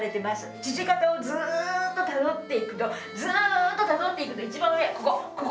父方をずっとたどっていくとずっとたどっていくと一番上ここ。